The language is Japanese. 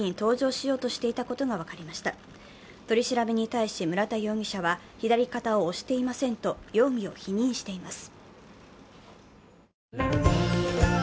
取り調べに対し、村田容疑者は左肩を押していませんと容疑を否認しています。